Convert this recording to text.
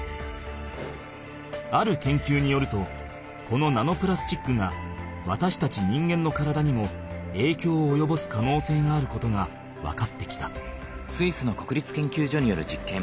ある研究によるとこのナノプラスチックがわたしたち人間の体にも影響をおよぼす可能性があることが分かってきた。